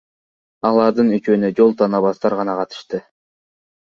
Алардын үчөөнө жол тандабастар гана катышты.